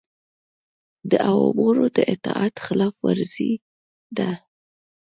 د اولوامر د اطاعت خلاف ورزي ده